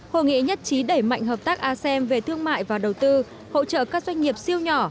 hội nghị nhất trí đẩy mạnh hợp tác asem về thương mại và đầu tư hỗ trợ các doanh nghiệp siêu nhỏ